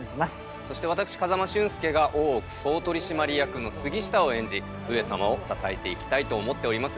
そしてわたくし風間俊介が大奥総取締役の杉下を演じ上様を支えていきたいと思っております。